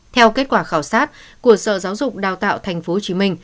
theo kết quả khảo sát của sở giáo dục đào tạo tp hcm